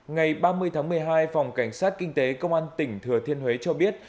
ngày ba mươi tháng một mươi hai phòng cảnh sát kinh tế công an tỉnh thừa thiên huế cho biết